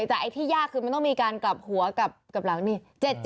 แต่ไอ้ที่ยากคือมันต้องมีการกลับหัวกลับหลังนี่